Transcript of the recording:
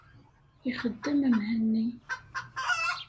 Ixeddem Mhenni.